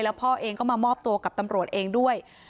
พ่อเองก็มามอบตัวกับตำรวจเองด้วย